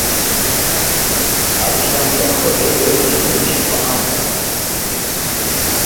Арҿиамҭа ахы еиуеԥшым аҩышьақәа амоуп.